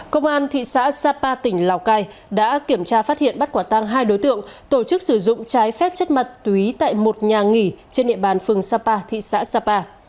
công an thị xã sapa tỉnh lào cai đã kiểm tra phát hiện bắt quả tăng hai đối tượng tổ chức sử dụng trái phép chất ma túy tại một nhà nghỉ trên địa bàn phường sapa thị xã sapa